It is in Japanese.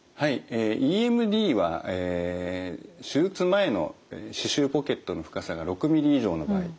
えＥＭＤは手術前の歯周ポケットの深さが６ｍｍ以上の場合。